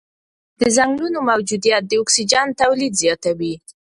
د ځنګلونو موجودیت د اکسیجن تولید زیاتوي.